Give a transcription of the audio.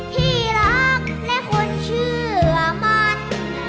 ที่รักและคนเชื่อมัน